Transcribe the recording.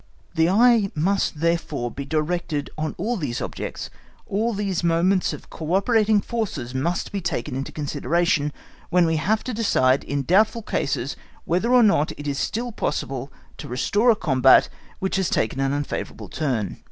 The eye must, therefore, be directed on all these objects, all these moments of co operating forces must be taken into consideration, when we have to decide in doubtful cases whether or not it is still possible to restore a combat which has taken an unfavourable turn.